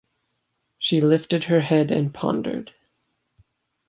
She lifted her head and pondered.